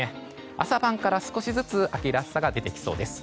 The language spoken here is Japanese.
朝晩から少しずつ秋らしさが出てきそうです。